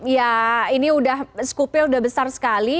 ya ini udah skupil udah besar sekali